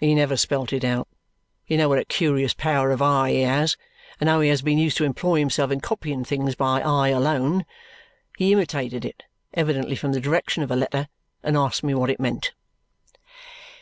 "He never spelt it out. You know what a curious power of eye he has and how he has been used to employ himself in copying things by eye alone. He imitated it, evidently from the direction of a letter, and asked me what it meant."